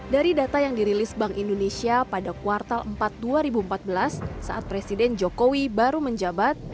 dari data yang dirilis bank indonesia pada kuartal empat dua ribu empat belas saat presiden jokowi baru menjabat